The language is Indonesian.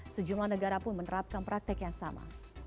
sejumlah negara pun menerapkan praktek yang sama